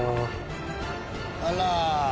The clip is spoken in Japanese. あら。